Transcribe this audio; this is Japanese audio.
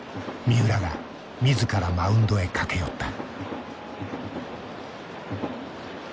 三浦が自らマウンドへ駆け寄った。